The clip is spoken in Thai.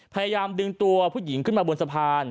พยายามดึงตัวผู้หญิงขึ้นมาบนสะพาน